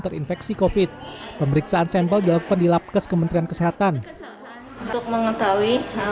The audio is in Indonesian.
terinfeksi covid pemeriksaan sampel dilakukan di lapkes kementerian kesehatan untuk mengetahui